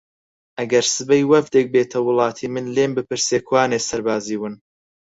ئەگەر سبەی وەفدێک بێتە وڵاتی من لێم بپرسێ کوانێ سەربازی ون